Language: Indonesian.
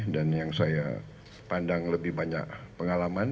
dan yang saya pandang lebih banyak pengalaman